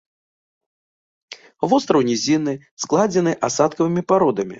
Востраў нізінны, складзены асадкавымі пародамі.